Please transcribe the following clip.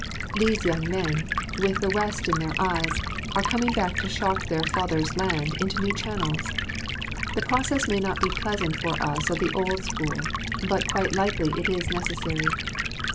These young men, with the West in their eyes, are coming back to shock their fathers' land into new channels. The process may not be pleasant for us of the old school, but quite likely it is necessary.